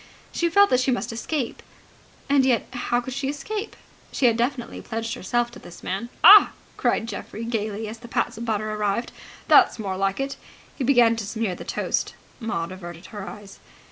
She felt that she must escape. And yet how could she escape? She had definitely pledged herself to this man. ("Ah!" cried Geoffrey gaily, as the pats of butter arrived. "That's more like it!" He began to smear the toast. Maud averted her eyes.)